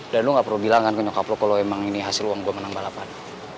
dan lo gak perlu bilang ke nyokap lo kalau ini hasil uang gue menang balapan